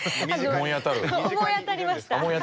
思い当たりましたはい。